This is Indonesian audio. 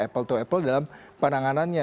apple to apple dalam penanganannya